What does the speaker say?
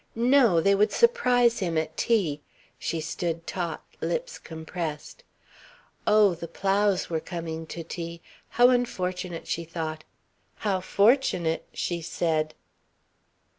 No! They would surprise him at tea she stood taut, lips compressed. Oh, the Plows were coming to tea. How unfortunate, she thought. How fortunate, she said.